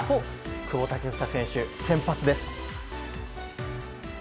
久保建英選手先発です！